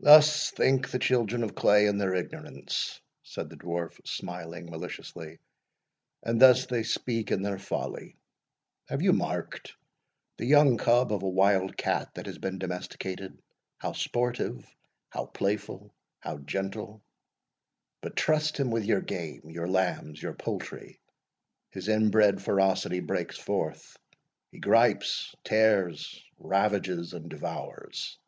"Thus think the children of clay in their ignorance," said: the Dwarf, smiling maliciously, "and thus they speak in their folly. Have you marked the young cub of a wild cat that has been domesticated, how sportive, how playful, how gentle, but trust him with your game, your lambs, your poultry, his inbred ferocity breaks forth; he gripes, tears, ravages, and devours."